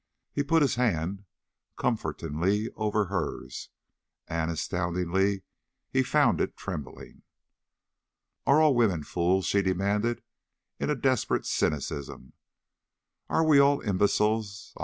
He put his hand comfortingly over hers. And, astoundingly, he found it trembling. "Are all women fools?" she demanded in a desperate cynicism. "Are we all imbeciles?